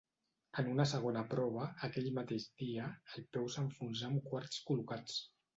En una segona prova, aquell mateix dia, el peu s'enfonsà amb quarts col·locats.